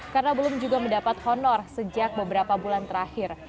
karena belum juga mendapat honor sejak beberapa bulan terakhir